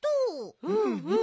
うんうん。